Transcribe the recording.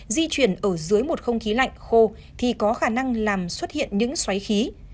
di chuyển ở dưới một không khí lạnh khô thì có khả năng làm xuất hiện những xoáy khí